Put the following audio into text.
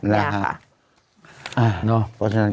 นี่แหละค่ะ